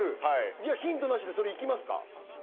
じゃあヒントなしでそれいきますか？